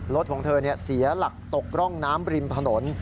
รถของเธอเสียหลักตกร่องน้ำริมถนน